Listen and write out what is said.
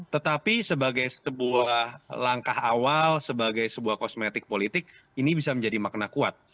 tetapi sebagai sebuah langkah awal sebagai sebuah kosmetik politik ini bisa menjadi makna kuat